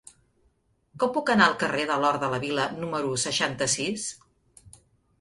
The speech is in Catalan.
Com puc anar al carrer de l'Hort de la Vila número seixanta-sis?